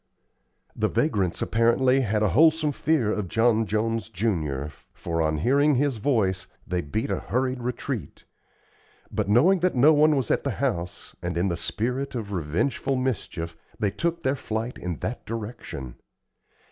The vagrants, apparently, had a wholesome fear of John Jones, junior, for, on hearing his voice, they beat a hurried retreat; but knowing that no one was at the house, and in the spirit of revengeful mischief, they took their flight in that direction.